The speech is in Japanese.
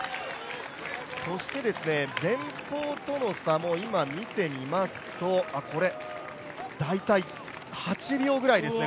そして前方との差も今見てみますとこれ大体、８秒ぐらいですね